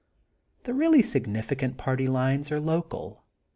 The really significant party lines are local.